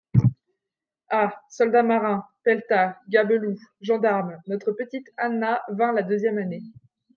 «Ah ! soldats-marins ! peltas ! gabeloux ! gendarmes !» Notre petite Anna vint la deuxième année.